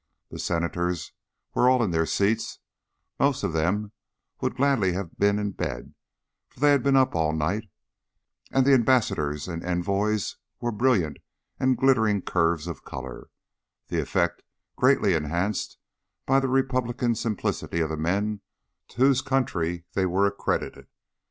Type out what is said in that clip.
The Senators were all in their seats; most of them would gladly have been in bed, for they had been up all night; and the Ambassadors and Envoys were brilliant and glittering curves of colour: the effect greatly enhanced by the Republican simplicity of the men to whose country they were accredited.